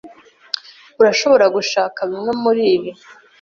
Urashobora gushaka bimwe muribi.